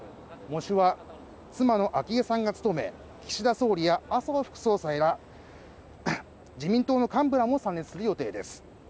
喪主は妻の昭恵さんが務め岸田総理や麻生副総裁ら自民党の幹部らも参列する予定です